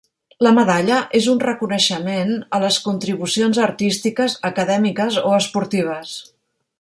La medalla és un reconeixement a les contribucions artístiques, acadèmiques o esportives.